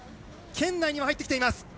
圏内には入ってきています。